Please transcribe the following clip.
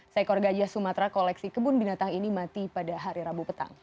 seekor gajah sumatera koleksi kebun binatang ini mati pada hari rabu petang